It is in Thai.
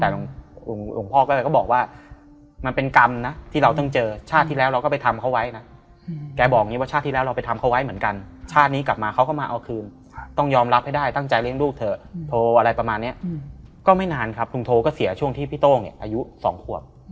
แต่หลวงพ่อก็บอกว่ามันเป็นกรรมนะที่เราต้องเจอชาติที่แล้วเราก็ไปทำเขาไว้นะแกบอกอย่างนี้ว่าชาติที่แล้วเราไปทำเขาไว้เหมือนกันชาตินี้กลับมาเขาก็มาเอาคืนต้องยอมรับให้ได้ตั้งใจเลี้ยงลูกเถอะโทรอะไรประมาณนี้ก็ไม่นานครับลุงโทก็เสียช่วงที่พี่โต้งเนี่ยอายุ๒ขวบ